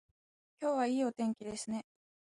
今日はいいお天気ですね